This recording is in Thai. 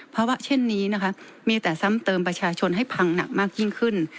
เพราะว่าเช่นนี้มีแต่ซ้ำเติมประชาชนให้พังหนักมากยิ่งขึ้น